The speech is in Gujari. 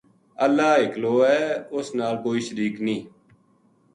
اللہ ایلو ہے اس نال کوئی شریک نییہ